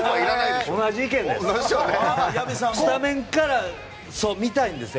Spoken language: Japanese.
同じ意見です。